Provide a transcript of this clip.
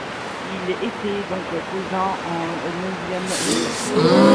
Ils étaient donc cousins au neuvième degré.